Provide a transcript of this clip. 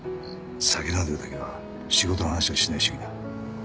酒飲んでる時は仕事の話はしない主義だ。